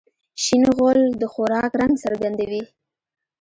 شین غول د خوراک رنګ څرګندوي.